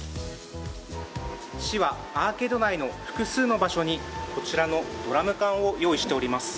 市は、アーケード内の複数の場所にこちらのドラム缶を用意しています。